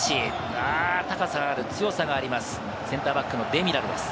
あっと、高さがある、強さがあります、センターバックのデミラルです。